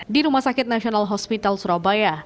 di rumah sakit nasional hospital surabaya